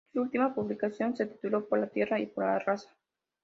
Su última publicación se tituló "¡Por la tierra y por la raza!